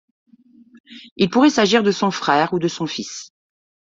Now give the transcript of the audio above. Il pourrait s'agir de son frère ou de son fils.